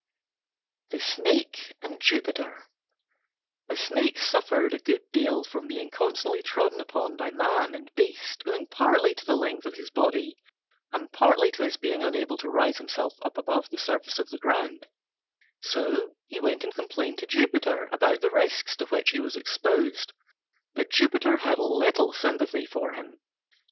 THE SNAKE AND JUPITER A Snake suffered a good deal from being constantly trodden upon by man and beast, owing partly to the length of his body and partly to his being unable to raise himself above the surface of the ground: so he went and complained to Jupiter about the risks to which he was exposed. But Jupiter had little sympathy for him.